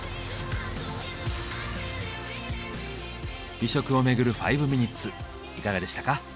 美食をめぐる５ミニッツいかがでしたか？